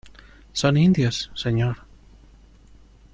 son indios, señor...